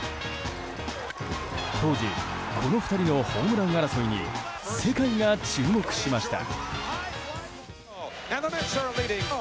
当時この２人のホームラン争いに世界が注目しました。